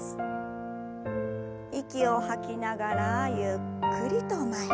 息を吐きながらゆっくりと前。